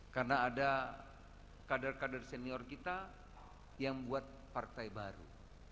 karena ada kader kader senior kita yang membuat partai baru